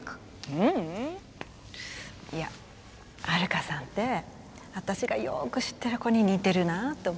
ううん。いやハルカさんって私がよく知ってる子に似てるなって思って。